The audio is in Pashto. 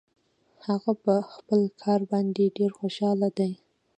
هغه په خپل کار باندې ډېر خوشحاله ده